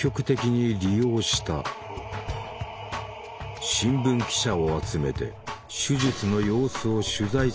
新聞記者を集めて手術の様子を取材させると。